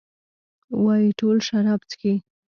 وايي ټول شراب چښي؟